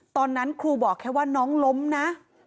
ตอนนั้นครูบอกแค่ว่าน้องล้มนะ